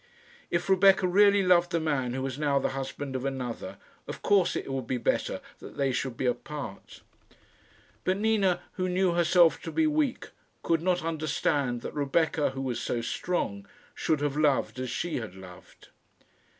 If Rebecca really loved the man who was now the husband of another, of course it would be better that they should be apart. But Nina, who knew herself to be weak, could not understand that Rebecca, who was so strong, should have loved as she had loved.